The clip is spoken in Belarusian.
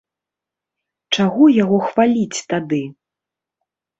Чаго яго хваліць тады?